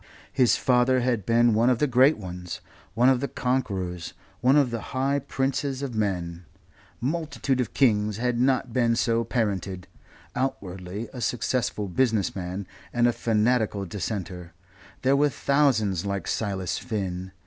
His father had been one of the great ones, one of the conquerors, one of the high princes of men. Multitudes of kings had not been so parented. Outwardly a successful business man and a fanatical Dissenter there were thousands like Silas Finn.